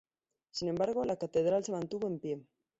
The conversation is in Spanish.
Sin embargo, la catedral se mantuvo en pie.